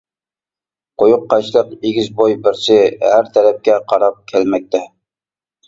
قويۇق قاشلىق، ئېگىز بوي بىرسى ھەر تەرەپكە قاراپ كەلمەكتە.